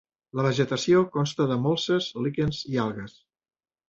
La vegetació consta de molses, líquens i algues.